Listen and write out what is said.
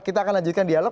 kita akan lanjutkan dialog